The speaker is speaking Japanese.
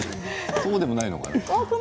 そうでもないのかな。